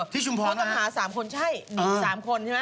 พวกตำหา๓คนใช่หนี๓คนใช่ไหม